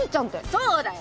そうだよ。